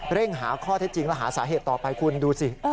หาข้อเท็จจริงและหาสาเหตุต่อไปคุณดูสิ